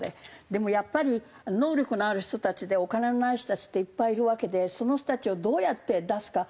でもやっぱり能力のある人たちでお金のない人たちっていっぱいいるわけでその人たちをどうやって出すか。